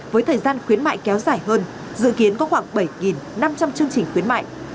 với thời gian khuyến mại kéo dài hơn dự kiến có khoảng bảy năm trăm linh chương trình khuyến mại